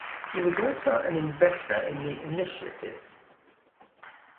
He was also an investor in the initiative.